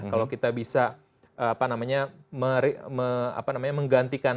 kalau kita bisa menggantikan